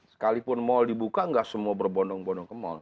sekalipun mal dibuka nggak semua berbondong bondong ke mal